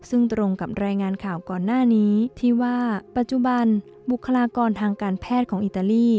ซึ่งตรงกับรายงานข่าวก่อนหน้านี้ที่ว่าปัจจุบันบุคลากรทางการแพทย์ของอิตาลี